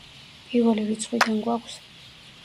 პირველი რიცხვიდან გვაქვს.